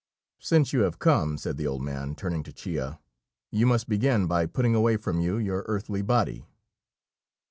"Since you have come," said the old man, turning to Chia, "you must begin by putting away from you your earthly body."